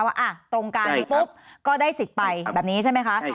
ว่าตรงกันปุ๊บก็ได้สิทธิ์ไปแบบนี้ใช่ไหมคะ